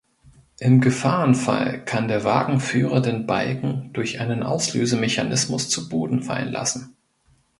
Im Gefahrenfall kann der Wagenführer den Balken durch einen Auslösemechanismus zu Boden fallen lassen.